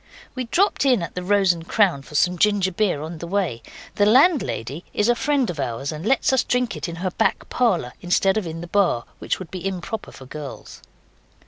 We dropped in at the 'Rose and Crown' for some ginger beer on our way. The landlady is a friend of ours and lets us drink it in her back parlour, instead of in the bar, which would be improper for girls.